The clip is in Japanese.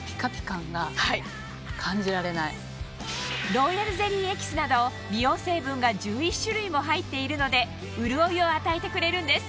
ローヤルゼリーエキスなど美容成分が１１種類も入っているので潤いを与えてくれるんです